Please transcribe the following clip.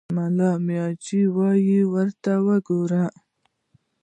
ملا مياجي وويل: ورته وګورئ!